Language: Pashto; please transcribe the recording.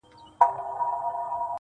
د درمل په نوم یې راکړ دا چي زهر نوشومه -